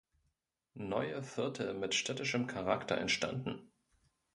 Neue Viertel mit städtischem Charakter entstanden.